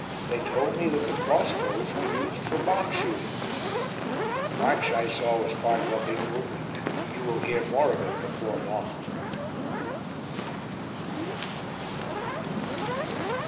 They told me that the cross bows were used for bomb shooting. "The march I saw was part of a big movement; you will hear more of it before long."